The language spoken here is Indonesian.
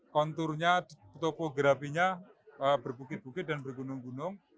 konturnya topografinya berbukit bukit dan bergunung gunung